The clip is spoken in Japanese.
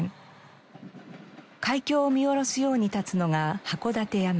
海峡を見下ろすように立つのが函館山。